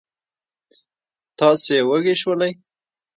تاسې وږي شولئ.